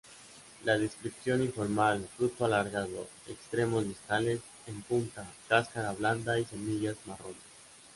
La descripción informal: Fruto alargado, extremos distales en punta, cáscara blanda y semillas marrones.